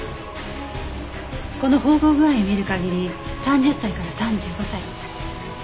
この縫合具合を見る限り３０歳から３５歳。